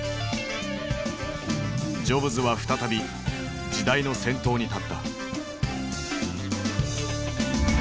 ジョブズは再び時代の先頭に立った。